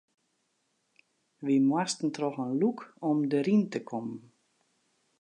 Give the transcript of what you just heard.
Wy moasten troch in lûk om deryn te kommen.